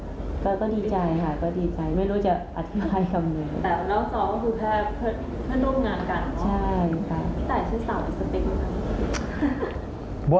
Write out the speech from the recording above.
พี่ตายชื่อสาวในสเปกมั้ย